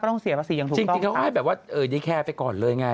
ก็ต้องเสียภาษีอย่างถูกจริงเขาอ้าวแบบว่าดีแคร์ไปก่อนเลยไง